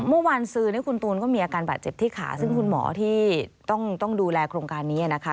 เมื่อวานซื้อคุณตูนก็มีอาการบาดเจ็บที่ขาซึ่งคุณหมอที่ต้องดูแลโครงการนี้นะคะ